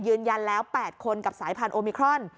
ยืนยันแล้ว๘คนกับสายพันธุมิครอน